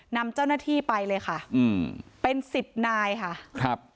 นำเจ้าหน้าที่ไปเลยค่ะอืมเป็นสิบนายค่ะครับ